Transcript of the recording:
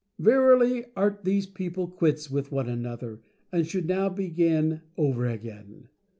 Verily, art these people quits with one another and should now begin over again.